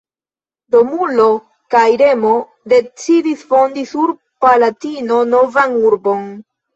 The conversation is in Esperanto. Romulo kaj Remo decidis fondi sur Palatino novan urbon.